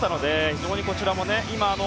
非常にこちらもね。